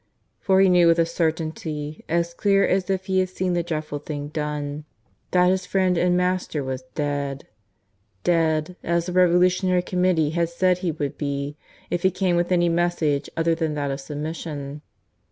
For he knew with a certainty as clear as if he had seen the dreadful thing done, that his friend and master was dead dead, as the Revolutionary Committee had said he would be, if he came with any message other than that of submission.